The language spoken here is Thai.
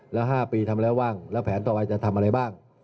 แล้ว๕ปีทำแล้วว่างแล้วแผนต่อไปจะทำอะไรบ้าง